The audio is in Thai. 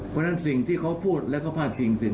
เพราะฉะนั้นสิ่งที่เขาพูดแล้วก็พาดพิงถึง